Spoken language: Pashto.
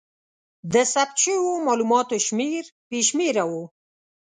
د ثبت شوو مالوماتو شمېر بې شمېره و.